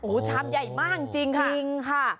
โอ้ชาติใหญ่มากจริงค่ะ